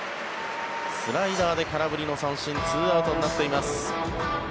スライダーで空振りの三振２アウトになっています。